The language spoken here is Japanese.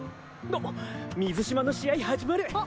お水嶋の試合始まる。